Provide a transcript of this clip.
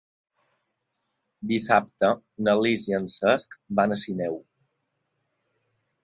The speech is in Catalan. Dissabte na Lis i en Cesc van a Sineu.